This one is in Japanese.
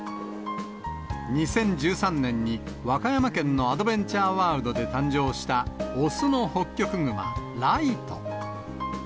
２０１３年に和歌山県のアドベンチャーワールドで誕生した雄のホッキョクグマ、ライト。